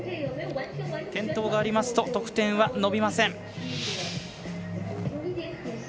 転倒がありますと得点は伸びません。